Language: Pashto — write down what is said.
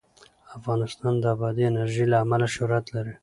افغانستان د بادي انرژي له امله شهرت لري.